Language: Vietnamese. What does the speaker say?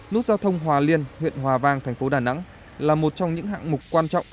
nút giao thông hòa liên huyện hòa vang tp đà nẵng là một trong những hạng mục quan trọng